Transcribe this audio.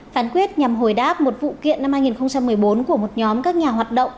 phán quyết nhằm hồi đáp một vụ kiện năm hai nghìn một mươi bốn của một nhóm các nhà hoạt động